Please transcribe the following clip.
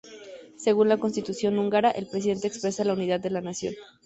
Según la constitución húngara, el presidente expresa la unidad de la nación.